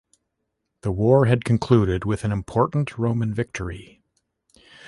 The war had concluded with an important Roman victory.